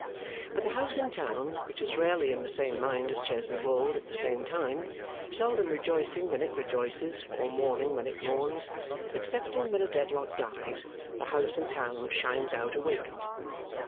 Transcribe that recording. But the house in town, which is rarely in the same mind as Chesney Wold at the same time, seldom rejoicing when it rejoices or mourning when it mourns, excepting when a Dedlock dies the house in town shines out awakened.